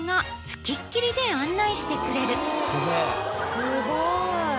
すごい。